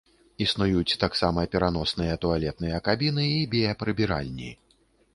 Існуюць таксама пераносныя туалетныя кабіны і біяпрыбіральні.